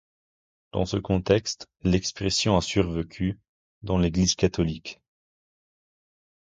Dans ce contexte, l'expression a survécu dans l'Église catholique.